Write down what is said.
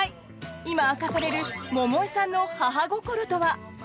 今、明かされる百恵さんの母心とは？